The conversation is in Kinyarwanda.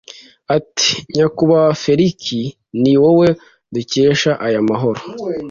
ati: “Nyakubahwa Feliki, ni wowe dukesha aya mahoro,